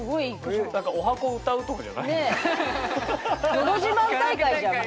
のど自慢大会じゃんもう。